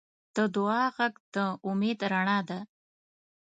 د دعا غږ د امید رڼا ده.